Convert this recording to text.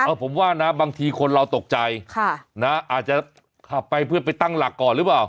ผมว่านะบางทีคนเราตกใจค่ะนะอาจจะขับไปเพื่อไปตั้งหลักก่อนหรือเปล่า